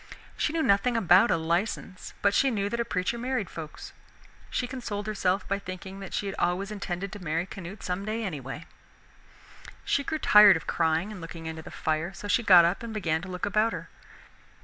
She knew nothing about a license, but she knew that a preacher married folks. She consoled herself by thinking that she had always intended to marry Canute someday, anyway. She grew tired of crying and looking into the fire, so she got up and began to look about her.